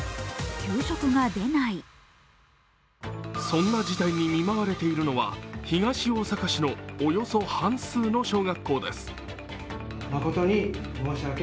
そんな事態に見舞われているのは東大阪市のおよそ半数の小学校です。